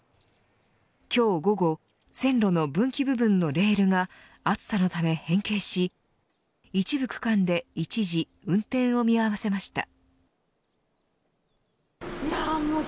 今日午後線路の分岐部分のレールが暑さのため変形し一部区間で一時運転を見合わせました。